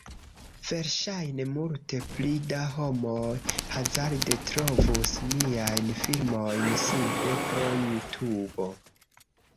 Verŝajne multe pli da homoj hazarde trovus miajn filmojn simple pro JuTubo